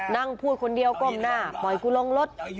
นั่งพูดคนเดียวก้มหน้าปล่อยกูลงรถ